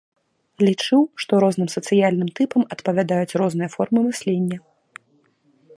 Лічыў, што розным сацыяльным тыпам адпавядаюць розныя формы мыслення.